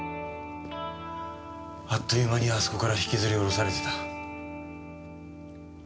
あっという間にあそこから引きずりおろされてた。